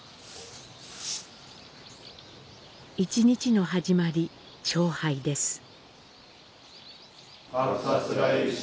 １日の始まり、朝拝です。